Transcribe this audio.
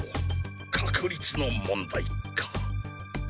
確率の問題か。